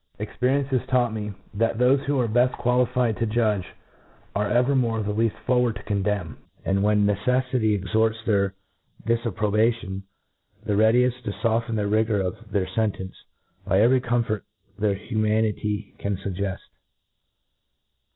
Experience has taught me, that thofe who are the beft qualified to judge aje evermore the leaft forward to condemn ; and, when neceffity extorts their difapprobation, the rcadieft to foften the rigour of their fentence, by every comfort their humanity can fuggeft.